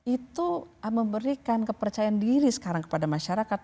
itu memberikan kepercayaan diri sekarang kepada masyarakat